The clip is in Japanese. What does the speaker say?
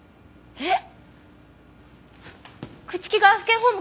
えっ！？